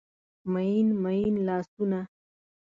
میین، میین لاسونه